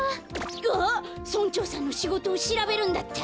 あっ村長さんのしごとをしらべるんだった！